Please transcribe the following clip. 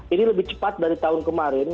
ini lebih cepat dari tahun kemarin